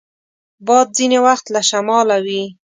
باد ځینې وخت له شماله وي